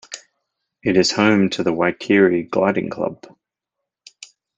It is home to the Waikerie Gliding Club.